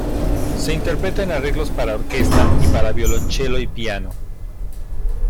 Se interpreta en arreglos para orquesta, y para violonchelo y piano.